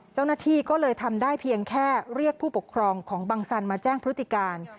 เจ้าหน้าที่ก็เลยทำได้เพียงแค่เรียกผู้ปกครองของบังสันมาแจ้งพฤติการ